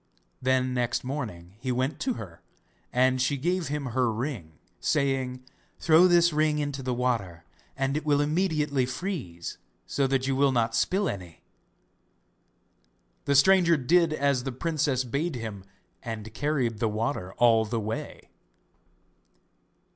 Then next morning he went to her, and she gave him her ring, saying: 'Throw this ring into the water and it will immediately freeze, so that you will not spill any.' The stranger did as the princess bade him, and carried the water all the way.